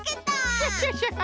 クシャシャシャ！